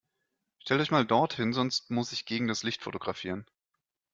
Stellt euch mal dort hin, sonst muss ich gegen das Licht fotografieren.